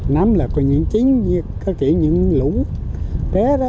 nấm là có những chín như có kiểu những lũ té đó